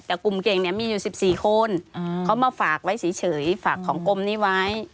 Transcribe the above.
แต่กลุ่มเก่งเนี่ยมีอยู่สิบสี่คนอืมเขามาฝากไว้เฉยเฉยฝากของกลุ่มนี้ไว้